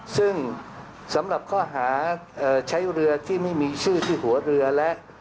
ซึ่งสำหรับข้อหาใช้เรือที่ไม่มีชื่อที่หัวเรือและ